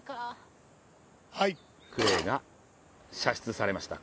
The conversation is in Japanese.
クレーが射出されました。